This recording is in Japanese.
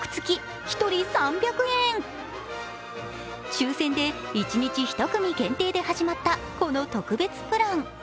抽選で一日１組限定で始まったこの特別プラン。